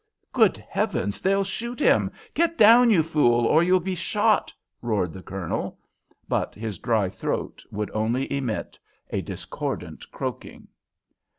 "Good Heavens! They'll shoot him! Get down, you fool, or you'll be shot!" roared the Colonel. But his dry throat would only emit a discordant croaking.